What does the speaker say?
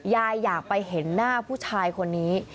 อยากไปเห็นหน้าผู้ชายคนนี้